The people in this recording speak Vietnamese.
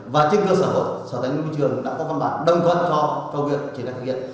và trên cơ sở sở tài nguyên và môi trường đã có văn bản đồng phận cho huyện triển khai thực hiện